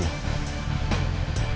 kalau begitu sebaiknya kita berpencar